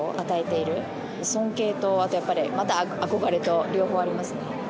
尊敬とあとやっぱりまた憧れと両方ありますね。